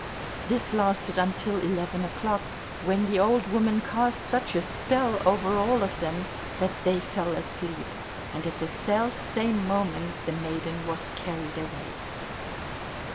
This lasted until eleven o'clock, when the old woman cast such a spell over all of them that they fell asleep, and at the self same moment the maiden was carried away.